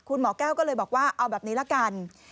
คุณหมอแก้วก็เลยบอกว่าเอาแบบนี้ละกัน